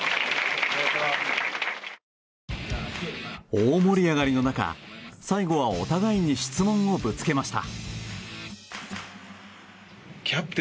大盛り上がりの中、最後はお互いに質問をぶつけました。